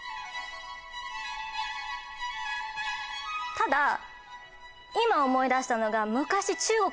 ただ今思い出したのが。